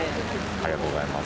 ありがとうございます。